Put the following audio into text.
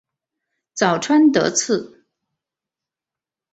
早川德次